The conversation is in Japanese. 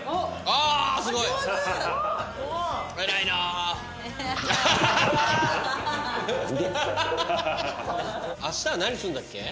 あしたは何するんだっけ？